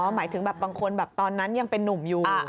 หมายถึงแบบบางคนแบบตอนนั้นยังเป็นนุ่มอยู่